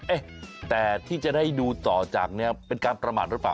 เอ๊ะแต่ที่จะได้ดูต่อจากนี้เป็นการประมาทหรือเปล่า